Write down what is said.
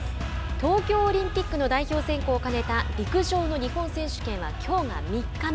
東京オリンピックの代表選考を兼ねた陸上の日本選手権はきょうが３日目。